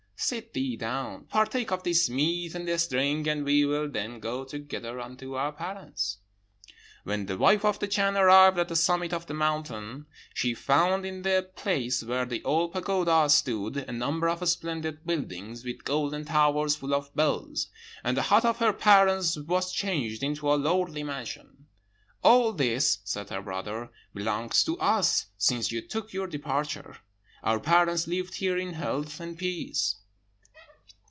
Sit thee down, partake of this meat and this drink, and we will then go together unto our parents.' "When the wife of the Chan arrived at the summit of the mountain, she found in the place where the old pagoda stood a number of splendid buildings, with golden towers full of bells. And the hut of her parents was changed into a lordly mansion. 'All this,' said her brother, 'belongs to us, since you took your departure. Our parents lived here in health and peace.'